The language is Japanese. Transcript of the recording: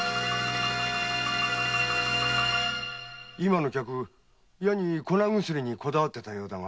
今の客いやに粉薬にこだわっていたようだが？